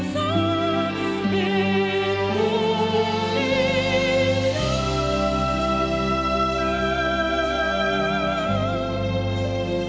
masjidnya berubah terbentur